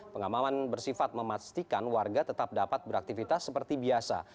pengaman bersifat memastikan warga tetap dapat beraktivitas seperti biasa